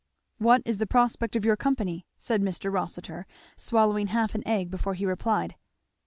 "What is the prospect of your company?" said Mr. Rossitur, swallowing half an egg before he replied.